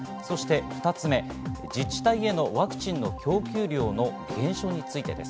２つ目、自治体へのワクチンの供給量の減少についてです。